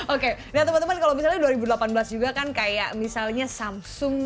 oke nah teman teman kalau misalnya dua ribu delapan belas juga kan kayak misalnya samsung